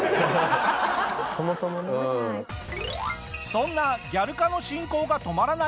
そんなギャル化の進行が止まらない